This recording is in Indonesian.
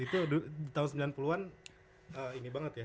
itu tahun sembilan puluh an ini banget ya